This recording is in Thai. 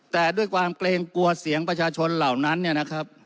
แต่ด้วยความเกรงกลัวเสียงประชาชนเหล่านั้น